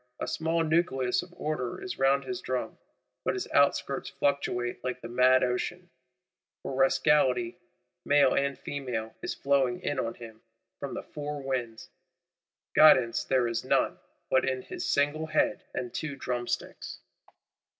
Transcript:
A small nucleus of Order is round his drum; but his outskirts fluctuate like the mad Ocean: for Rascality male and female is flowing in on him, from the four winds; guidance there is none but in his single head and two drumsticks.